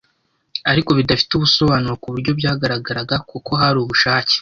ariko bidafite ubusobanuro kuburyo byagaragara, kuko hari ubushake